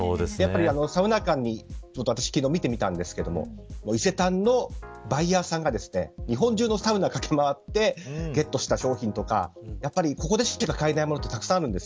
サウナ館を見てみたんですけど伊勢丹のバイヤーさんが日本中のサウナを駆け回ってゲットした商品とかここでしか買えないものがたくさんあるんです。